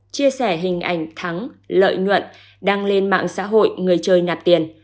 chia sẻ hình ảnh thắng lợi nhuận đăng lên mạng xã hội người chơi nạp tiền